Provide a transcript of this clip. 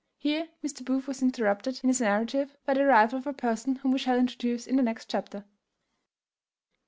Here Mr. Booth was interrupted in his narrative by the arrival of a person whom we shall introduce in the next chapter.